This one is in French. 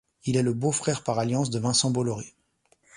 Il est le beau-frère par alliance de Vincent Bolloré.